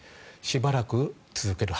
しばらく続ける。